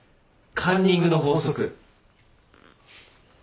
カンニングの法則。